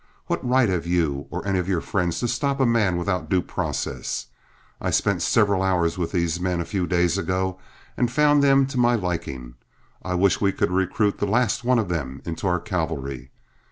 What right have you or any of your friends to stop a man without due process? I spent several hours with these men a few days ago and found them to my liking. I wish we could recruit the last one of them into our cavalry.